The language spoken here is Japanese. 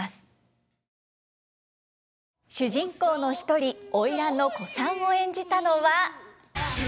主人公の一人花魁の小さんを演じたのは。